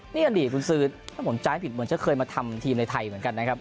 นี่กันดิคุณศึถ้าผมจ้ายผิดเหมือนเช่าเคยมาทำทีมในไทยเหมือนกันนะครับ